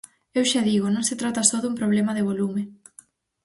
Eu xa digo, non se trata só dun problema de volume.